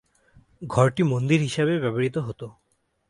ঘরটি মন্দির হিসেবে ব্যবহৃত হতো।